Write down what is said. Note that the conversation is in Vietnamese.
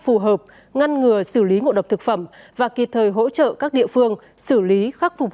phù hợp ngăn ngừa xử lý ngộ độc thực phẩm và kịp thời hỗ trợ các địa phương xử lý khắc phục